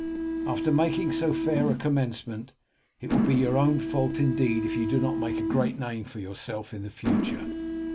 After making so fair a commencement, it will be your own fault indeed if you do not make a great name for yourself in the future.